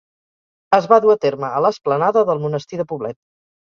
Es va dur a terme a l'esplanada del Monestir de Poblet.